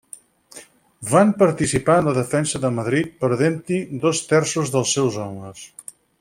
Van participar en la defensa de Madrid, perdent-hi dos terços dels seus homes.